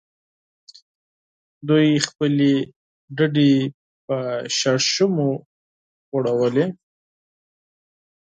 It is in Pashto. هغوی خپلې ډډې په شړشمو غوړولې